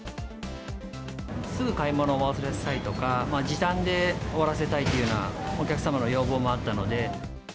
すぐ買い物を終わらせたいとか、時短で終わらせたいというようなお客様の要望もあったので。